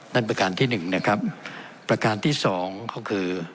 ประการที่หนึ่งนะครับประการที่สองก็คือ